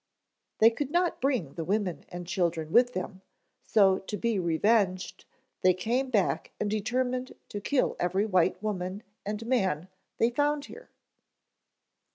"They could not bring the women and children with them, so to be revenged, they came back and determined to kill every white woman and man they found here."